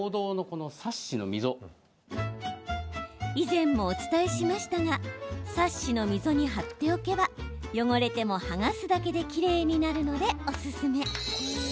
以前もお伝えしましたがサッシの溝に貼っておけば汚れても剥がすだけできれいになるのでおすすめ。